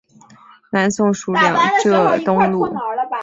南宋属两浙东路。